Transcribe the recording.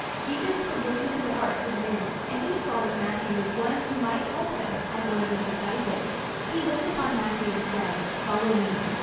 Jesus could look into the hearts of men, and he saw that Matthew was one who might help him as one of his disciples. He looked upon Matthew, and said: "Follow me!"